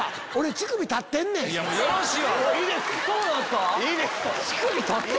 乳首立ってんすか？